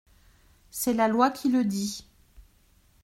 C’est la loi qui le dit.